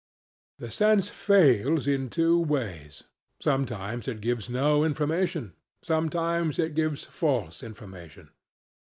The sense fails in two ways. Sometimes it gives no information, sometimes it gives false information.